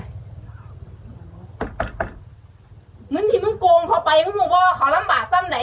นึนพี่มึงโกงพอไปมึงพอว่าเขารำบาต์สำใด